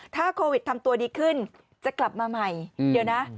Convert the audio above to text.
ถ้าโควิดทำตัวดีขึ้นจะกลับมาใหม่เดี๋ยวนะ